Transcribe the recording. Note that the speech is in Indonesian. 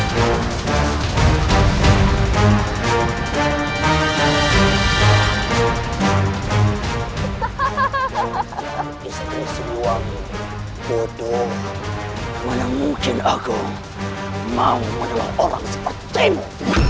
hahaha istri seluruhmu bodoh mana mungkin aku mau menolong orang sepertimu